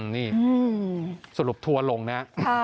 นี่สรุปทัวร์ลงนะ